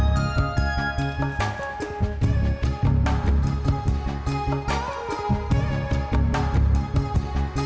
sampai jumpa di video selanjutnya